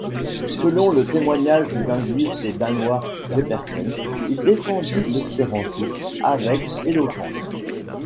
Selon le témoignage du linguiste danois Jespersen, il défendit l'espéranto avec éloquence.